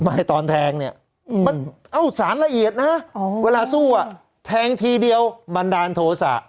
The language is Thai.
ตอนแทงเนี่ยมันเอ้าสารละเอียดนะเวลาสู้อ่ะแทงทีเดียวบันดาลโทษะ